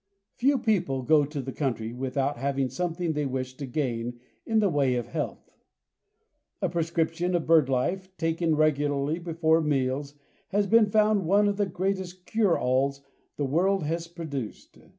Few people go to the country without having something they wish to gain in the way of health. A prescription of bird life taken regularly before meals has been found one of the greatest cure alls the world has produced.